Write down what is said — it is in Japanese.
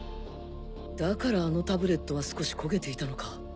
だからあのタブレットは少し焦げていたのか